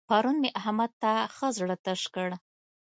پرون مې احمد ته ښه زړه تش کړ.